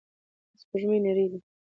سپوږمۍ نرۍ ده.